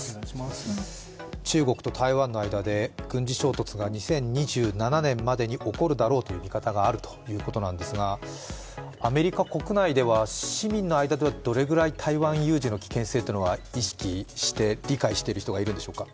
中国と台湾の間で軍事衝突が２０２７年までに起こるだろうという見方があるということなんですがアメリカ国内では、市民の間ではどれぐらい台湾有事の危険性は意識して理解してる人がいるんでしょうか。